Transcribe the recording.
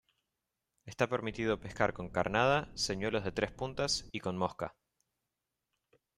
Está permitido pescar con carnada, señuelos de tres puntas y con mosca.